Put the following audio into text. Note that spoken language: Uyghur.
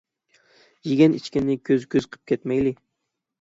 يىگەن ئىچكەننى كۆز كۆز قىپ كەتمەيلى ،